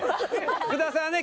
福田さんはね